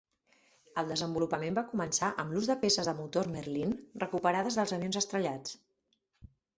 El desenvolupament va començar amb l'ús de peces de motor Merlin recuperades dels avions estrellats.